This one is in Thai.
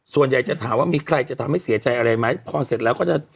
ส่วนใหญ่จะถามว่ามีใครจะทำให้เสียใจอะไรไหมพอเสร็จแล้วก็จะ